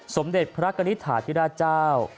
สมเด็จพระกณิตฐาธิราชเจ้า